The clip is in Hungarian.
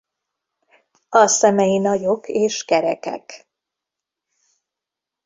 A szemei nagyok és kerekek.